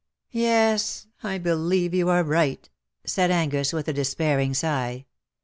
'^" Yes_, I believe you are right/^ said Angus, with a despairing sigh.